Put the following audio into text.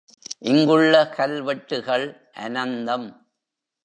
இங்குள்ள கல்வெட்டுகள் அனந்தம்.